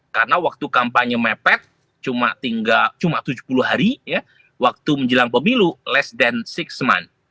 karena waktu kampanye mepet cuma tujuh puluh hari waktu menjelang pemilu less than enam months